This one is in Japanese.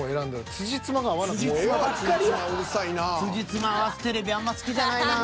辻褄合わすテレビあんま好きじゃないなぁ。